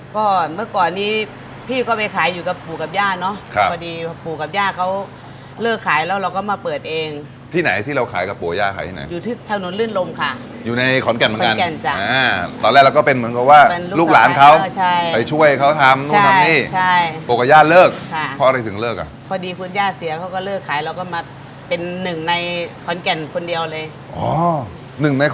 ก็เมื่อก่อนนี้พี่ก็ไปขายอยู่กับปู่กับย่าเนอะพอดีปู่กับย่าเขาเลิกขายแล้วเราก็มาเปิดเองที่ไหนที่เราขายกับปู่ย่าขายที่ไหนอยู่ที่ถนนลื่นลมค่ะอยู่ในขอนแก่นเหมือนกันขอนแก่นจ้ะตอนแรกเราก็เป็นเหมือนกับว่าลูกหลานเขาไปช่วยเขาทำนู่นทำนี่ใช่ปู่กับย่าเลิกค่ะเพราะอะไรถึงเลิกอ่ะพอดีคุณย่าเสียเขาก็เลิกขายเราก็มาเป็นหนึ่งในขอนแก่นคนเดียวเลย